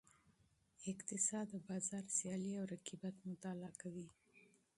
اقتصاد د بازار سیالۍ او رقیبت مطالعه کوي.